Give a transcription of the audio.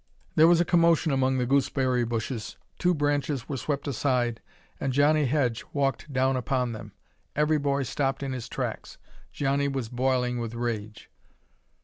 There was a commotion among the gooseberry bushes, two branches were swept aside, and Johnnie Hedge walked down upon them. Every boy stopped in his tracks. Johnnie was boiling with rage.